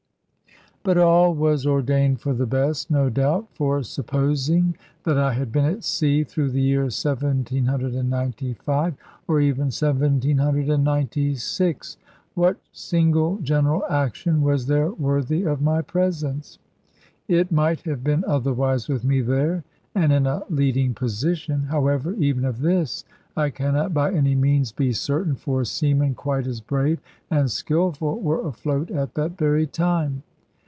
But all was ordained for the best, no doubt: for supposing that I had been at sea through the year 1795, or even 1796, what single general action was there worthy of my presence? It might have been otherwise with me there, and in a leading position. However, even of this I cannot by any means be certain, for seamen quite as brave and skilful were afloat at that very time.